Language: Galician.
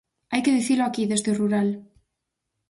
¡Hai que dicilo aquí, desde o rural!